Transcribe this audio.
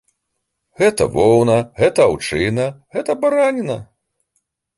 Гэта воўна, гэта аўчына, гэта бараніна.